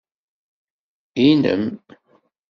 Inem.